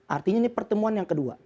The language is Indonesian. artinya ini pertemuan yang kedua